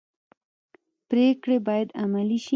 پریکړې باید عملي شي